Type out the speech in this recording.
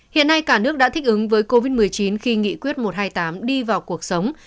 hiện nay cả nước đã thích ứng với covid một mươi chín khi nghị quyết một trăm hai mươi tám đi vào cuộc sống